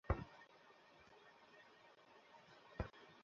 ঠান্ডা মেঝেতে হাত-পা এলিয়ে আমি শুয়ে আছি এবং চিত্কার করছি, পানি, পানি।